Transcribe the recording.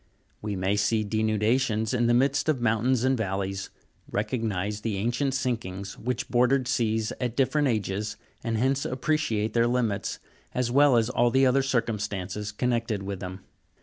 We may see denudations in the rnidst of mountains and valleys, recognise the ancient sinkings which bordered seas at different ages, and hence appreciate their limits, as well as all other circumstances connected with them.